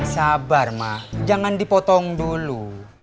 sabar mah jangan dipotong dulu